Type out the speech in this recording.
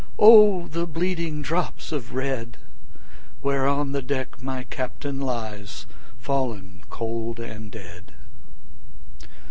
5 O the bleeding drops of red! Where on the deck my Captain lies, Fallen cold and dead.